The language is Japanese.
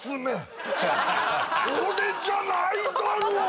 俺じゃないだろ！